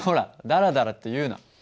だらだらって言うな。